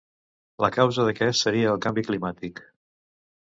La causa d'aquest seria el canvi climàtic.